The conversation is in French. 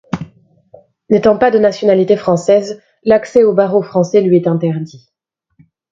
N'étant pas de nationalité française, l'accès aux barreaux français lui est interdit.